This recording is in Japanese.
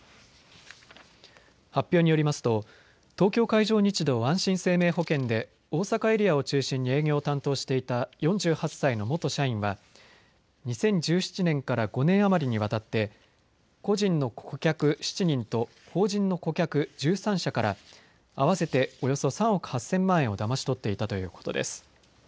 発表によりますと東京海上日動あんしん生命保険で大阪エリアを中心に営業を担当していた４８歳の元社員は２０１７年から５年余りにわたって個人の顧客７人と法人の顧客１３社から合わせておよそ３億８０００万円をだまし取っていたということです。